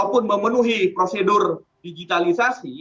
untuk memenuhi prosedur digitalisasi